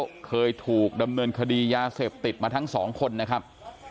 ก็เคยถูกดำเนินคดียาเสพติดมาทั้งสองคนนะครับ